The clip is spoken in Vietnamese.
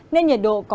nên nhiệt độ không cao